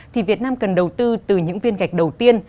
thì việt nam cần đầu tư từ những viên gạch đầu tiên